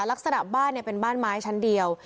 ลักษณะบ้านเป็นบ้านไม้ชั้นเดียว